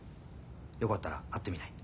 よかったら会ってみない？